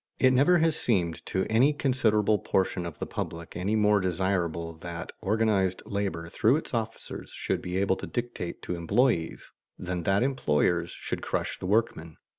It never has seemed to any considerable portion of the public any more desirable that organized labor through its officers should be able to dictate to employees, than that employers should crush the workmen.